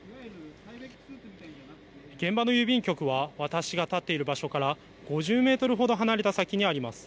現場の郵便局は、私が立っている場所から５０メートルほど離れた先にあります。